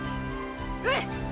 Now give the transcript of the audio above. うん！！